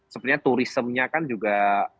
sepertinya turismnya kan juga